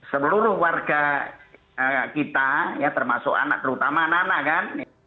seluruh warga kita ya termasuk anak terutama anak anak kan